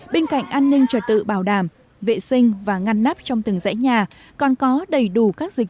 bên cạnh an ninh trở tự bảo đảm vệ sinh và ngăn nắp trong từng dãy nhà còn có đầy đủ các dịch